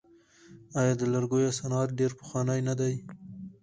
آیا د لرګیو صنعت ډیر پخوانی نه دی؟